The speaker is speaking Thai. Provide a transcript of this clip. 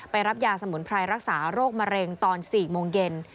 รับยาสมุนไพรรักษาโรคมะเร็งตอน๔โมงเย็น